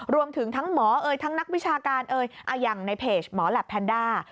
รวมถึงทั้งหมอเอ่ยทั้งนักวิชาการเอ่ยอย่างในเพจหมอแหลปแพนด้า